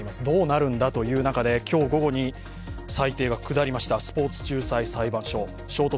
どうなるんだという中で今日午後に裁定が下りました、スポーツ仲裁裁判所。